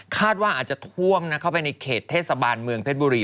ว่าอาจจะท่วมนะเข้าไปในเขตเทศบาลเมืองเพชรบุรี